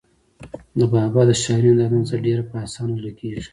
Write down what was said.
د بابا د شاعرۍ نه دا اندازه ډېره پۀ اسانه لګي